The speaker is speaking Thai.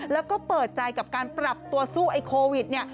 แล้วก็เปิดใจกับการปรับตัวสู้ไอ้โควิดเนี่ย